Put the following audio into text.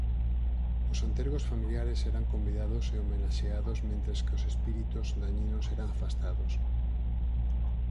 Os antergos familiares eran convidados e homenaxeados mentres que os espíritos daniños eran afastados.